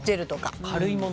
軽いもの？